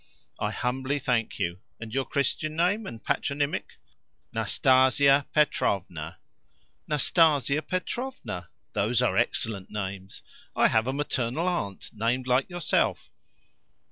"I humbly thank you. And your Christian name and patronymic?" "Nastasia Petrovna." "Nastasia Petrovna! Those are excellent names. I have a maternal aunt named like yourself."